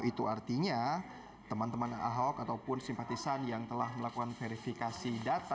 itu artinya teman teman ahok ataupun simpatisan yang telah melakukan verifikasi data